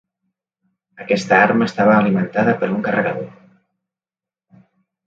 Aquesta arma estava alimentada per un carregador.